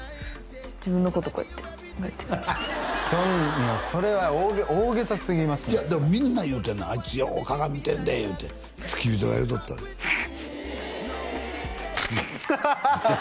自分のことこうやってそれは大げさすぎますでもみんな言うてんのあいつよう鏡見てんでいうて付き人が言うとったふはははは！